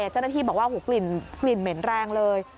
เจ้าหน้าที่บอกว่ากลิ่นเหม็นแรงเลย